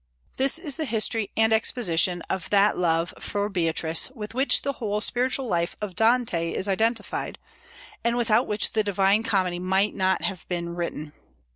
This is the history and exposition of that love for Beatrice with which the whole spiritual life of Dante is identified, and without which the "Divine Comedy" might not have been written.